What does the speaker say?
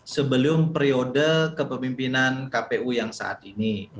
sebelum periode kepemimpinan kpu yang saat ini